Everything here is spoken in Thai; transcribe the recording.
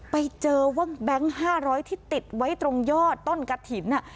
ไปเจอว่าแบงค์ห้าร้อยที่ติดไว้ตรงยอดต้นกะถิ่นน่ะ